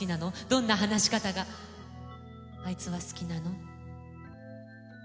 どんな話し方があいつは好きなの。